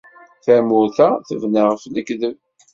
Tamurt-a tebna ɣef lekdeb.